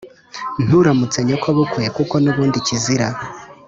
nturamutse nyokobukwe, kuko n' ubundi kizira